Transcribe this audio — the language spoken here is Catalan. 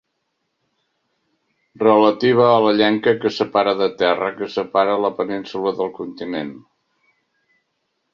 Relativa a la llenca que separa de terra que separa la península del continent.